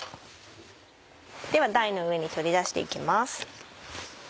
では台の上に取り出して行きます。